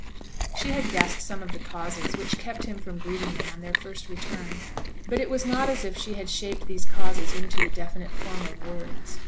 She had guessed some of the causes which kept him from greeting them on their first return. But it was not as if she had shaped these causes into the definite form of words.